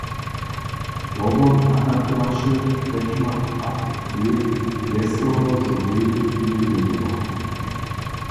Zdobom atakowaše Kretschmer AfD, bjeztoho zo by ju mjenował.